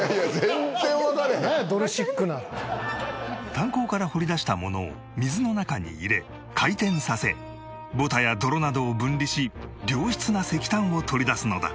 炭鉱から掘り出したものを水の中に入れ回転させボタや泥などを分離し良質な石炭を取り出すのだ